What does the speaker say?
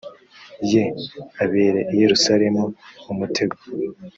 ye abere i yerusalemu umutego